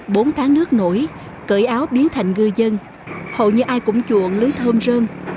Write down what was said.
bốn tháng nước nổi cởi áo biến thành ngư dân hầu như ai cũng chuộng lưới thơm sơn